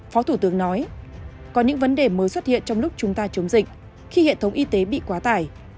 phó thủ tướng nói có những vấn đề mới xuất hiện trong lúc chúng ta chống dịch khi hệ thống y tế bị quá tải